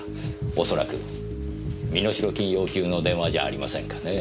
恐らく身代金要求の電話じゃありませんかねぇ。